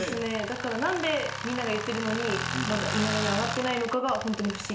何でみんなが言っているのにいまだに上がっていないのかが不思議。